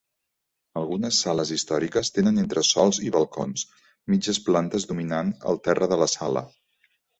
Algunes sales històriques tenen entresòls i balcons, mitges plantes dominant el terra de la sala.